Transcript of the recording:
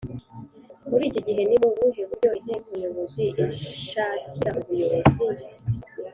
Muri iki gihe ni mu buhe buryo Inteko Nyobozi ishakira ubuyobozi